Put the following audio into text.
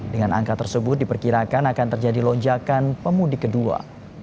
dengan angka tersebut diperkirakan akan terjadi lonjakan pemudik kedua